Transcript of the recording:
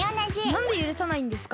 なんでゆるさないんですか？